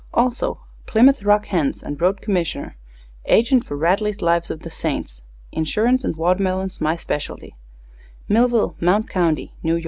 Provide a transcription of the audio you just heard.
Also Plymouth Rock Hens & Road Commissioner Agent for Radley's Lives of the Saints Insurance and Watermelons My Specialty Millville, Mount County, N.Y.